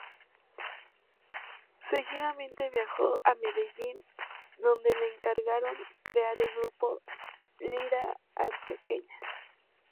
Seguidamente, viajó a Medellín donde le encargaron crear el grupo "Lira Antioqueña".